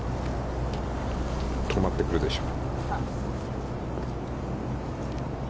止まってくるでしょう。